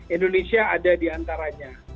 indonesia ada di antaranya